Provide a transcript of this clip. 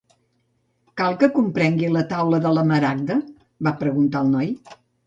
"Cal que comprengui la Taula de la Maragda?", va preguntar el noi.